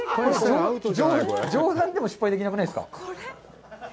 冗談でも失敗できなくないですか？